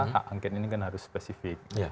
hak angket ini kan harus spesifik